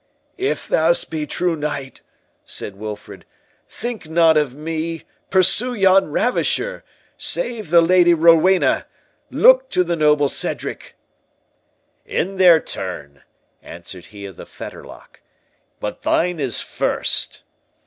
"If thou be'st true knight," said Wilfred, "think not of me—pursue yon ravisher—save the Lady Rowena—look to the noble Cedric!" "In their turn," answered he of the Fetterlock, "but thine is first."